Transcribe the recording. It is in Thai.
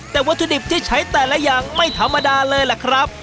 แต่วัตถุดิบที่ใช้แต่ละอย่างไม่ธรรมดาเลยล่ะครับ